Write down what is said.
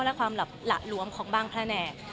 และความหละหลวมของบางแผนก